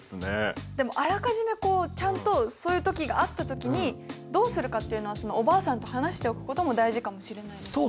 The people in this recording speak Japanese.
でもあらかじめちゃんとそういう時があった時にどうするかっていうのをおばあさんと話しておくことも大事かもしれないですね。